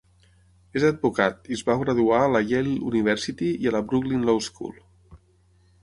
És advocat i es va graduar a la Yale University i a la Brooklyn Law School.